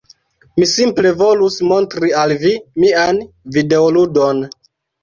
Mi simple volus montri al vi mian videoludon.